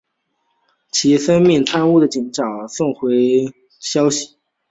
齐森命贪污的警长带消息回去给柏格。